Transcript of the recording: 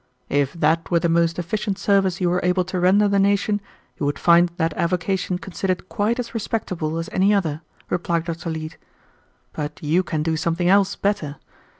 "If that were the most efficient service you were able to render the nation, you would find that avocation considered quite as respectable as any other," replied Dr. Leete; "but you can do something else better.